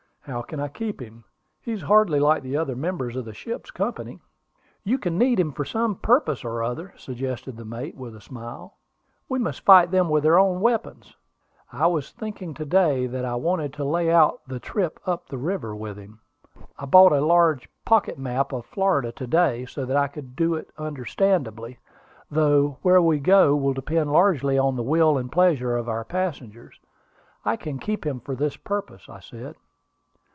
"How can I keep him? He is hardly like the other members of the ship's company." "You can need him for some purpose or other," suggested the mate, with a smile. "We must fight them with their own weapons." "I was thinking to day that I wanted to lay out the trip up the river with him. I bought a large pocket map of Florida to day, so that I could do it understandingly, though where we go will depend largely on the will and pleasure of our passengers. I can keep him for this purpose," I said.